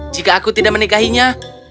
jika aku tidak menikahinya mungkin aku akan menikah